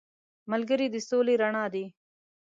ملګری د سولې رڼا دی